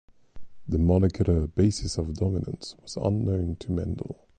The molecular basis of dominance was unknown to Mendel.